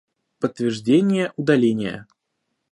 Подтверждение удаления